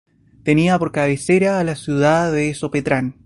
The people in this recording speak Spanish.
Tenía por cabecera a la ciudad de Sopetrán.